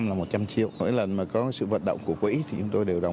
doanh nghiệp cho fuss của giới tài liệuign